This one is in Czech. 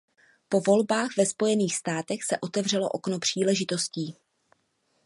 Po volbách ve Spojených státech se otevřelo okno příležitostí.